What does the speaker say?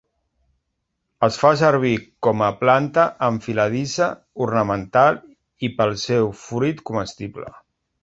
Es fa servir com a planta enfiladissa ornamental i pel seu fruit comestible.